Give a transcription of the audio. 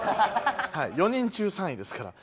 ４人中３位ですから。